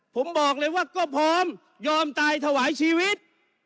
ผมบอกเลยว่าก็พร้อมยอมตายถวายชีวิต